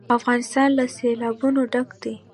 افغانستان له سیلابونه ډک دی.